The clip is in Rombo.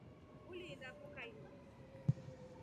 Uliinda kuu kaindi?